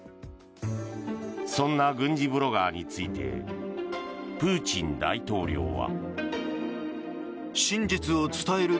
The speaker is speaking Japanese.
そんな軍事ブロガーについてプーチン大統領は。